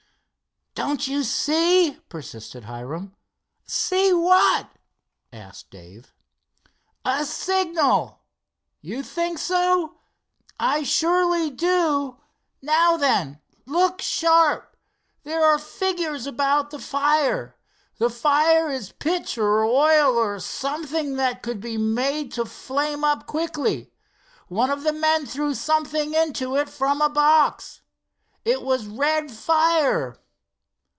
"Don't you see?" persisted Hiram. "See what?" asked Dave. "A signal." "You think so?" "I surely do. Now, then, look sharp. There are figures about the fire. The fire is pitch or oil, or something that could be made to flame up quickly. One of the men threw something into it from a box. It was red fire."